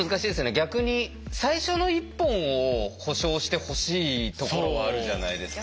逆に最初の１本を保障してほしいところはあるじゃないですか。